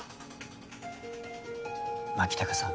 牧高さん